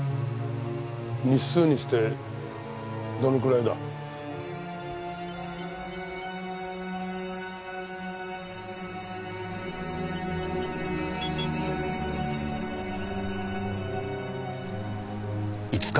日数にしてどのくらいだ？５日。